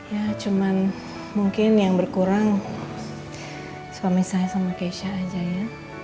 ya cuma mungkin yang berkurang suami saya sama keisha aja ya